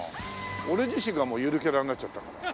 俺自身がゆるキャラになっちゃったから。